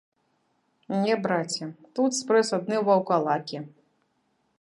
Не, браце, тут спрэс адны ваўкалакі.